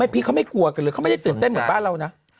พี่เขาไม่กลัวกันเลยเขาไม่ได้ตื่นเต้นเหมือนบ้านเรานะ